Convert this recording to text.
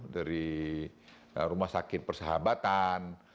dari rumah sakit persahabatan